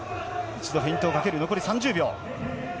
一度フェイントをかける残り３０秒。